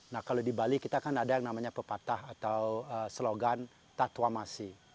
nah kalau di bali kita kan ada yang namanya pepatah atau slogan tatwa masi